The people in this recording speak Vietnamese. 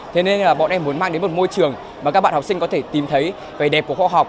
thế nên bọn em muốn mang đến một môi trường mà các bạn học sinh có thể tìm thấy về đẹp của khoa học